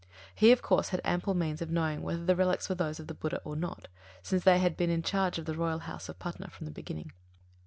He, of course, had ample means of knowing whether the relics were those of the Buddha or not, since they had been in charge of the royal house of Patna from the beginning.